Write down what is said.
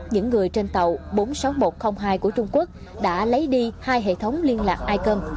những người trên tàu bốn mươi sáu nghìn một trăm linh hai của trung quốc đã lấy đi hai hệ thống liên lạc ai cân